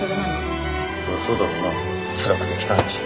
そりゃそうだろうなつらくて汚えし